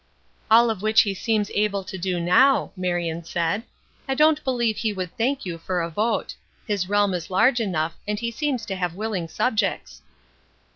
"All of which he seems able to do now," Marion said. "I don't believe he would thank you for a vote. His realm is large enough, and he seems to have willing subjects."